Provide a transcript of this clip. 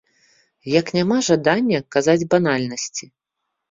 Як няма жадання казаць банальнасці.